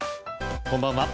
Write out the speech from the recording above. こんばんは。